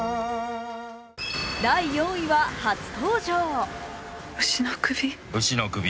第４位は初登場。